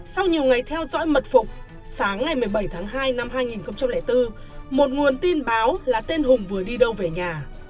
sau nhiều ngày theo dõi mật phục sáng ngày một mươi bảy tháng hai năm hai nghìn bốn một nguồn tin báo là tên hùng vừa đi đâu về nhà